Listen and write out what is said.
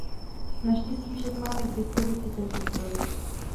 Naštěstí však máme k dispozici tento zdroj.